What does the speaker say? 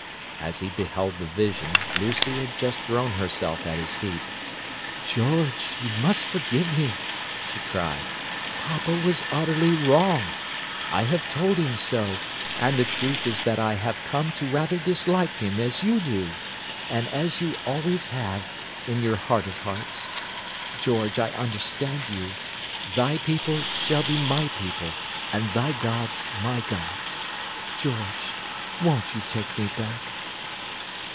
As he beheld the vision, Lucy had just thrown herself at his feet. "George, you must forgive me!" she cried. "Papa was utterly wrong! I have told him so, and the truth is that I have come to rather dislike him as you do, and as you always have, in your heart of hearts. George, I understand you: thy people shall be my people and thy gods my gods. George, won't you take me back?"